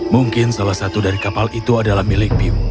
mungkin salah satu dari kapal itu adalah milik pim